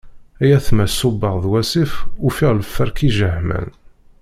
Ay atma ṣubbeɣ d wasif, ufiɣ lferk ijeḥmam.